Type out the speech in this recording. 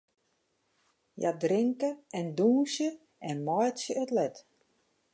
Hja drinke en dûnsje en meitsje it let.